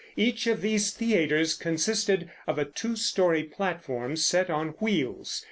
Each of these theaters consisted of a two story platform, set on wheels.